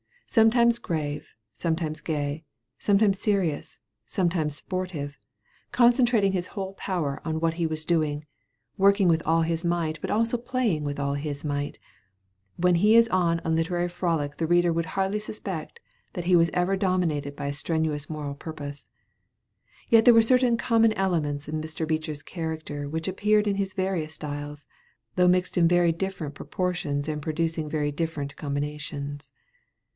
Sometimes grave, sometimes gay, sometimes serious, sometimes sportive, concentrating his whole power on whatever he was doing, working with all his might but also playing with all his might, when he is on a literary frolic the reader would hardly suspect that he was ever dominated by a strenuous moral purpose. Yet there were certain common elements in Mr. Beecher's character which appeared in his various styles, though mixed in very different proportions and producing very different combinations.